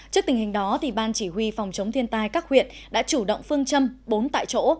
trước tình hình đó ban chỉ huy phòng chống thiên tai các huyện đã chủ động phương châm bốn tại chỗ